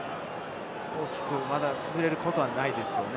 大きく崩れることがないですよね。